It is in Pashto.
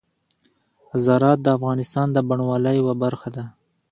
زراعت د افغانستان د بڼوالۍ یوه برخه ده.